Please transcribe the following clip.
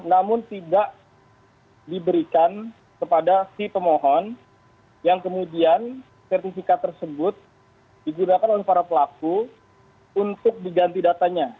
namun tidak diberikan kepada si pemohon yang kemudian sertifikat tersebut digunakan oleh para pelaku untuk diganti datanya